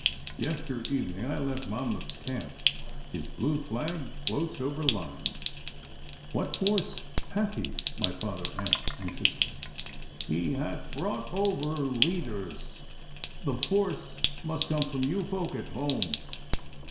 Yester evening I left Monmouth's camp. His blue flag floats over Lyme.' 'What force hath he?' my father asked anxiously. 'He hath but brought over leaders. The force must come from you folk at home.